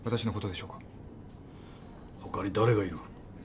ほかに誰がいる？